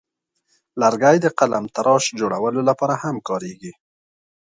لرګی د قلمتراش جوړولو لپاره هم کاریږي.